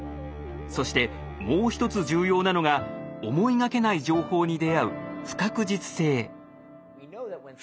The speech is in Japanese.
そしてもう一つ重要なのが思いがけない情報に出会う